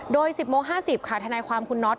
โดย๑๐โมง๕๐ค่ะทนายความคุณน็อต